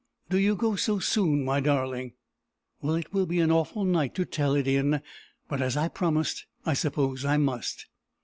"Do you go so soon, my darling? Well, it will be an awful night to tell it in; but, as I promised, I suppose I must."